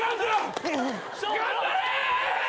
頑張れ！！